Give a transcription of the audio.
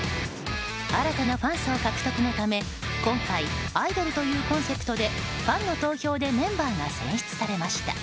新たなファン層獲得のため今回アイドルというコンセプトでファンの投票でメンバーが選出されました。